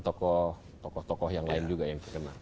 tokoh tokoh yang lain juga yang terkena